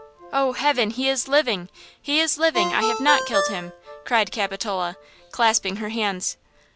"Oh, heaven! He is living! He is living! I have not killed him!" cried Capitola, clasping her hands.